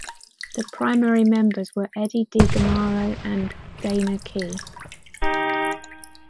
The primary members were Eddie DeGarmo and Dana Key.